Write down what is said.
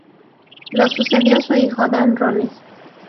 Lo sucedió su hijo Dan Rooney.